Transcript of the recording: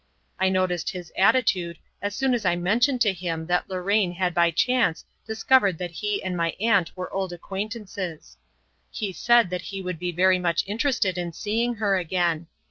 I noticed his attitude as soon as I mentioned to him that Lorraine had by chance discovered that he and my aunt were old acquaintances. He said that he would be very much interested in seeing her again.